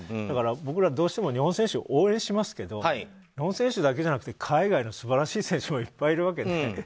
だから、僕らどうしても日本選手を応援しますけど日本の選手だけじゃなく海外の素晴らしい選手もいっぱいいるので。